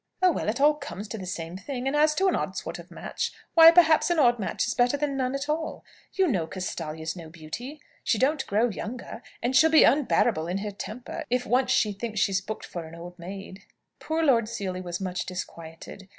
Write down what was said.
"Oh, well, it all comes to the same thing. And as to an odd sort of match, why, perhaps, an odd match is better than none at all. You know Castalia's no beauty. She don't grow younger; and she'll be unbearable in her temper, if once she thinks she's booked for an old maid." Poor Lord Seely was much disquieted.